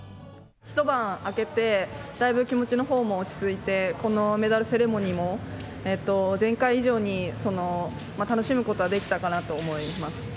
一晩明けて、だいぶ気持ちのほうも落ち着いて、このメダルセレモニーも前回以上に楽しむことができたかなと思います。